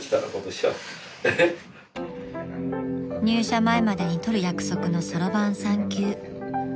［入社前までに取る約束のそろばん３級］